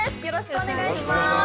よろしくお願いします。